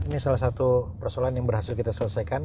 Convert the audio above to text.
ini salah satu persoalan yang berhasil kita selesaikan